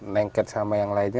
nengket sama yang lainnya